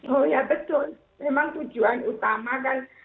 oh ya betul memang tujuan utama kan